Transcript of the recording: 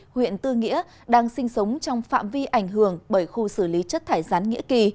huyện tư nghĩa đang sinh sống trong phạm vi ảnh hưởng bởi khu xử lý chất thải rán nghĩa kỳ